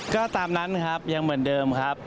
ก็ตามนั้นครับยังเหมือนเดิมครับ